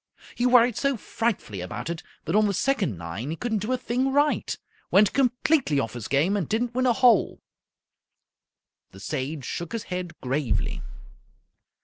He worried so frightfully about it that on the second nine he couldn't do a thing right. Went completely off his game and didn't win a hole." The Sage shook his head gravely.